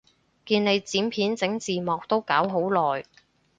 見你剪片整字幕都搞好耐